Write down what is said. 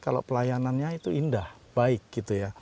kalau pelayanannya itu indah baik gitu ya